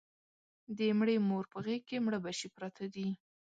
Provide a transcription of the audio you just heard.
د مړې مور په غېږ کې مړه بچي پراته دي